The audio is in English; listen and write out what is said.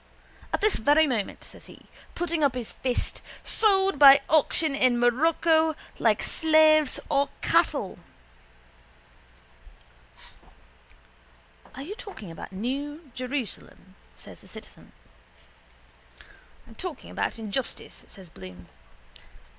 At this very moment, says he, putting up his fist, sold by auction in Morocco like slaves or cattle. —Are you talking about the new Jerusalem? says the citizen. —I'm talking about injustice, says Bloom.